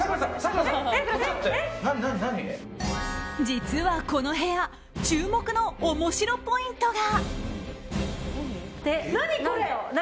実はこの部屋注目の面白ポイントが。